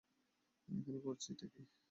এখানে করছিটা কী?